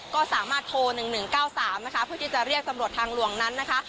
ก็สามารถโทร๑๑๙๓นะคะเพื่อที่จะเรียกตำรวจทางหลวงนั้นนะคะ